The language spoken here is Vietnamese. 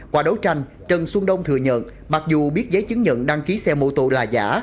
qua đấu tranh trần xuân đông thừa nhận mặc dù biết giấy chứng nhận đăng ký xe mô tô là giả